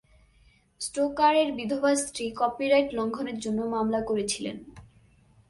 স্টোকারের বিধবা স্ত্রী কপিরাইট লঙ্ঘনের জন্য মামলা করেছিলেন।